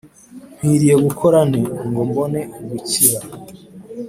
nkwiriye gukora nte, ngo mbone gukira?